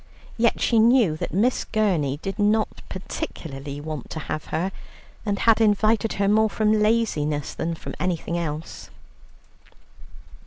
Yet she knew that Miss Gurney did not particularly want to have her, and had invited her more from laziness than from anything else.